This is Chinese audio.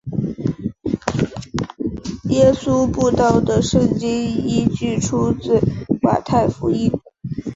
耶稣步道的圣经依据出自马太福音。